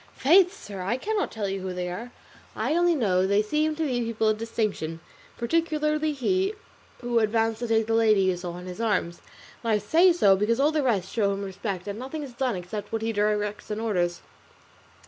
"Faith, sir, I cannot tell you who they are, I only know they seem to be people of distinction, particularly he who advanced to take the lady you saw in his arms; and I say so because all the rest show him respect, and nothing is done except what he directs and orders."